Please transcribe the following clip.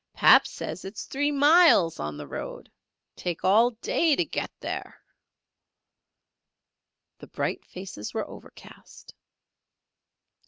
"Pap sez its free miles on the road. Take all day ter get there." The bright faces were overcast.